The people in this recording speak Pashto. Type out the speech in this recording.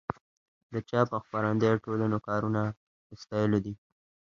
د چاپ او خپرندویه ټولنو کارونه د ستایلو دي.